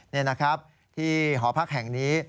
นี่นะครับที่หอพักแห่งนี้